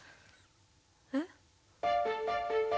えっ。